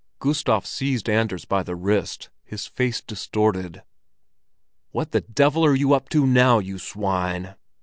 Gustav seized Anders by the wrist, his face distorted. "What the devil are you up to now, you swine?"